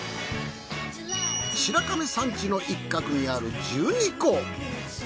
白神山地の一角にある十二湖。